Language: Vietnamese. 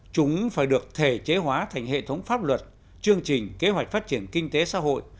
chúng phải được thể chế hóa thành hệ thống pháp luật chương trình kế hoạch phát triển kinh tế xã hội